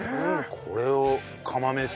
これを釜飯。